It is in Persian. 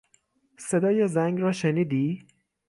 صدای زنگ را شنیدی؟